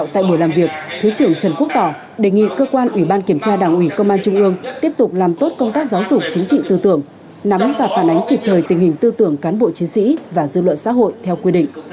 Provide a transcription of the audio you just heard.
tại buổi làm việc thứ trưởng trần quốc tỏ đề nghị cơ quan ủy ban kiểm tra đảng ủy công an trung ương tiếp tục làm tốt công tác giáo dục chính trị tư tưởng nắm và phản ánh kịp thời tình hình tư tưởng cán bộ chiến sĩ và dư luận xã hội theo quy định